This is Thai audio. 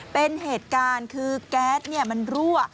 เป็นเหตุการณ์คือแก๊สมันรั่ว